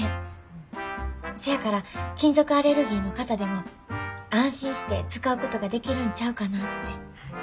せやから金属アレルギーの方でも安心して使うことができるんちゃうかなって。